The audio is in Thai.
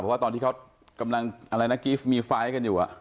เพราะว่าตอนที่เขากำลังกี่มีไฟล์ให้กันอยู่